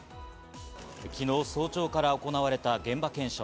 昨日、早朝から行われた現場検証。